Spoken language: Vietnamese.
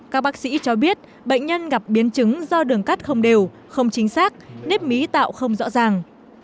các bác sĩ cho biết bệnh nhân gặp biến chứng do đường cắt không đều không chính xác nếp mí tạo không rõ ràng